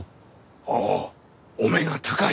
ああお目が高い！